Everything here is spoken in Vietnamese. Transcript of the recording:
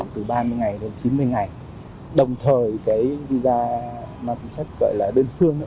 từ ba mươi ngày đến chín mươi ngày đồng thời visa thị thực gọi là đơn phương